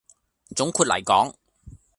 總括黎講